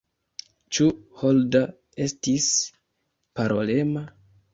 Ĉu Holder estis parolema?